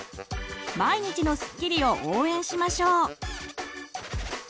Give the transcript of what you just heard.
毎日のすっきりを応援しましょう！